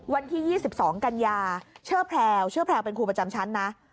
วันที่๒๒กันยาชื่อแพลวชื่อแพลวเป็นครูประจำชั้นนะ